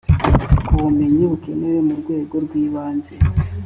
ku bumenyi bukenewe mu rwego rw ibanze